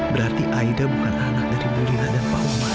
berarti aida bukan anak dari mulia dan pak umar